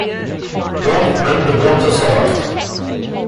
Bronfman the brontosaur!